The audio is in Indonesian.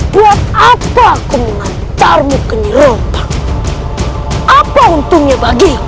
buat apa aku mengantarmu ke nyerompak apa untungnya bagiku